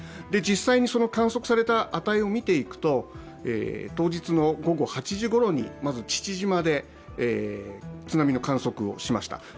実際にその観測された値を見ていくと当日の午後８時ごろに、まず父島で津波の観測をしました。